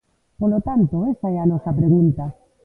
Polo tanto, esa é a nosa pregunta.